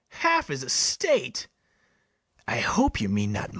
half his estate! I hope you mean not mine.